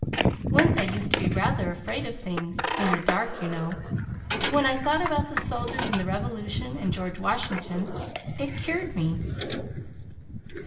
Once I used to be rather afraid of things in the dark, you know; but when I thought about the soldiers in the Revolution and George Washington it cured me."